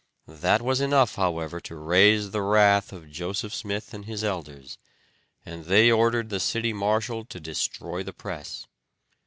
That was enough, however, to raise the wrath of Joseph Smith and his elders, and they ordered the city marshal to destroy the press.